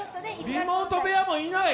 リモート部屋もいない？